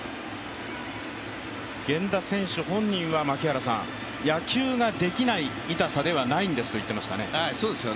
源田選手本人は野球ができない痛さではないんですと言っていましたね。